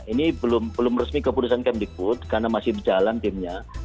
ini belum resmi keputusan kemdikbud karena masih berjalan timnya